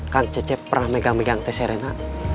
kan cecep pernah megang megang tes serena